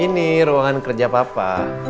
ini ruangan kerja papa